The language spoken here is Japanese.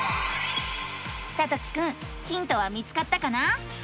さときくんヒントは見つかったかな？